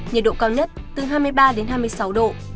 nhiệt độ cao nhất từ hai mươi ba đến hai mươi sáu độ